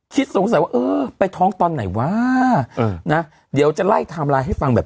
สงสัยว่าเออไปท้องตอนไหนวะเออนะเดี๋ยวจะไล่ไทม์ไลน์ให้ฟังแบบ